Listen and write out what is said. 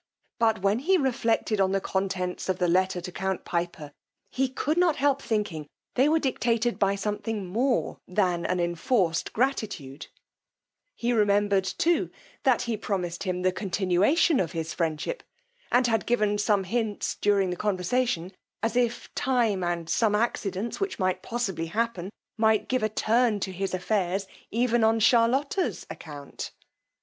But when he reflected on the contents of the letter to count Piper, he could not help thinking they were dictated by something more than an enforced gratitude: he remembered too that he promised him the continuation of his friendship, and had given some hints during the conversation, as if time and some accidents, which might possibly happen, might give a turn to his affairs even on Charlotta's account.